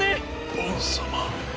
ボン様！